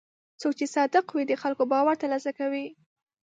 څوک چې صادق وي، د خلکو باور ترلاسه کوي.